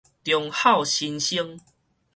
忠孝新生